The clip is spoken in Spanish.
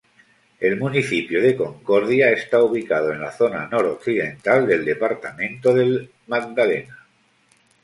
El Municipio de Concordia está ubicado en la zona nor-occidental del Departamento del Magdalena.